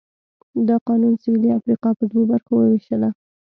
دا قانون سوېلي افریقا پر دوو برخو ووېشله.